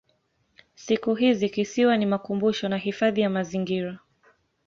Siku hizi kisiwa ni makumbusho na hifadhi ya mazingira.